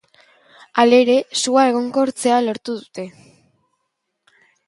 Halere, sua egonkortzea lortu dute.